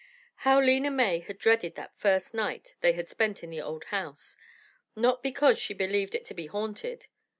How Lena May had dreaded that first night they had spent in the old house, not because she believed it to be haunted.